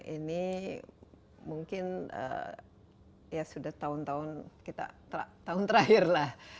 ini mungkin sudah tahun tahun kita tahun terakhirlah